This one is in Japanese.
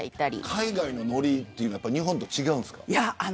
海外のノリっていうのは日本と違いますか。